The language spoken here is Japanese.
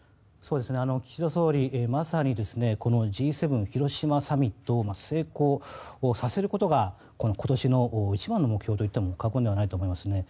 岸田総理まさにこのＧ７広島サミットを成功させることが今年の一番の目標といっても過言ではないと思います。